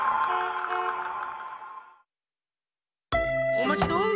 おまちどお！